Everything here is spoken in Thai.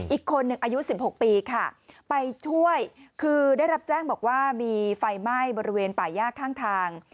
อีกคนหนึ่งอายุ๑๖ปีค่ะไปช่วยคือได้รับแจ้งบอกว่ามีไฟไหม้บริเวณป่าย่าข้างทาง